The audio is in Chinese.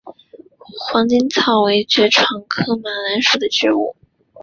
黄猄草为爵床科马蓝属的植物。